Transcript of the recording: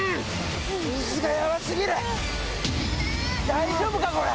大丈夫か⁉これ。